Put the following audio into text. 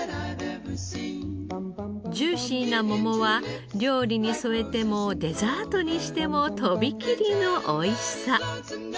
ジューシーな桃は料理に添えてもデザートにしてもとびきりのおいしさ。